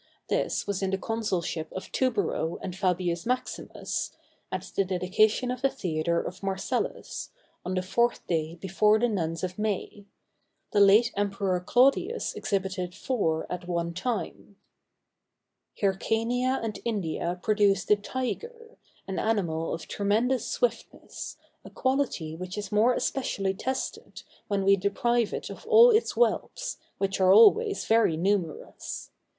This was in the consulship of Tubero and Fabius Maximus, at the dedication of the theatre of Marcellus, on the fourth day before the nones of May: the late Emperor Claudius exhibited four at one time. [Illustration: TIGER.—Tigris Regális.] Hyrcania and India produce the tiger, an animal of tremendous swiftness, a quality which is more especially tested when we deprive it of all its whelps, which are always very numerous.